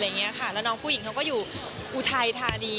แล้วน้องผู้หญิงเขาก็อยู่อุทัยธานี